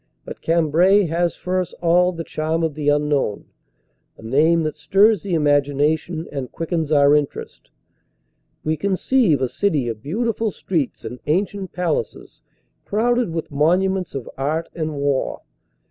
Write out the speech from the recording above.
But Cambrai has for us all the charm of the unknown, a name that stirs the imagination and quickens our interest. We conceive a city of beautiful streets and ancient palaces crowded with monuments of art and war.